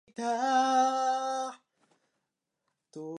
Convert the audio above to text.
ペリーはアメリカの海軍軍人である。